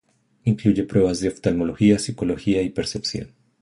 Incluye pruebas de oftalmología, psicología y percepción.